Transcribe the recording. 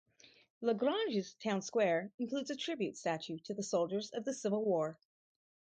LaGrange's town square includes a tribute statue to the soldiers of the Civil War.